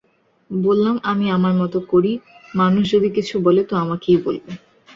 বললাম, আমি আমার মতো করি, মানুষ যদি কিছু বলে তো আমাকেই বলবে।